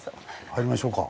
入りましょうか。